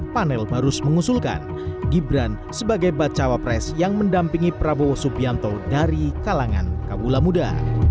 panel barus mengusulkan gibran sebagai bacawa pres yang mendampingi prabowo subianto dari kalangan kabula muda